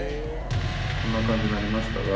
こんな感じになりましたが。